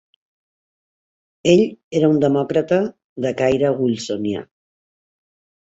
Ell era un demòcrata de caire "wilsonià".